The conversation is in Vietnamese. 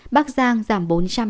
bắc giang giảm bốn trăm hai mươi ba